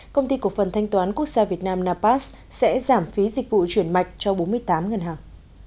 công ty cổ phần thanh toán quốc gia việt nam napas sẽ giảm phí dịch vụ chuyển mạch cho bốn mươi tám ngân hàng